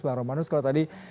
bang romanus kalau tadi